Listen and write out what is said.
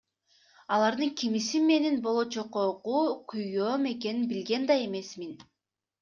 Алардын кимиси менин болочокогу күйөөм экенин билген да эмесмин.